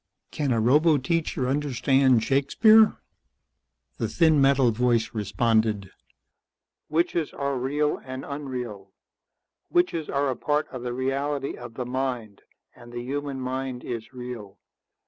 Can a roboteacher understand Shakespeare?" The thin metal voice responded. "Witches are real and unreal. Witches are a part of the reality of the mind, and the human mind is real.